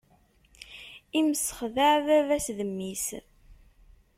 Imsexdeɛ baba-s d mmi-s.